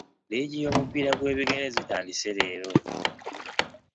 Liigi y'omupiira gw'ebigere zitandise leero.